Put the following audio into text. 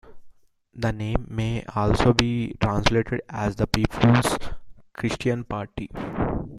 The name may also be translated as "The People's Christian Party".